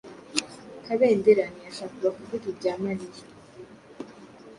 Kabendera ntiyashakaga kuvuga ibya Mariya.